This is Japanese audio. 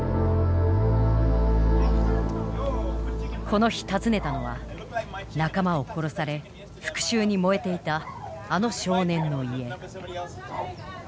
この日訪ねたのは仲間を殺され復讐に燃えていたあの少年の家。